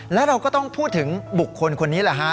แล้วเราก็ต้องพูดถึงบุคคลคนนี้แหละฮะ